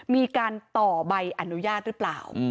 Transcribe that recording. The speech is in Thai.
มีการต่อใบอนุญาตหรือเปล่า